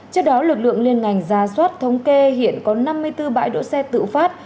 trước đó lực lượng liên ngành ra soát thống kê hiện có năm mươi bốn bãi đỗ xe tự phát